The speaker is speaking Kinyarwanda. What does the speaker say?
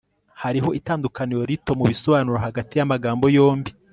hariho itandukaniro rito mubisobanuro hagati yamagambo yombi